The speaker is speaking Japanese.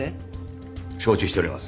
承知しております。